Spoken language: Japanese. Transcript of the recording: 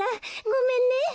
ごめんね。